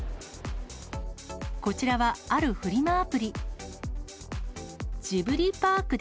こちらは、あるフリマアプリ。